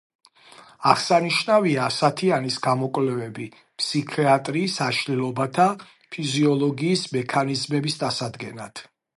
აღსანიშნავია ასათიანის გამოკვლევები ფსიქიატრიის აშლილობათა ფიზიოლოგიის მექანიზმების დასადგენად.